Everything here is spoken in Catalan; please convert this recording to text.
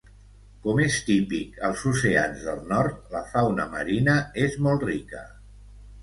Com és típic als oceans del nord, la fauna marina és molt rica.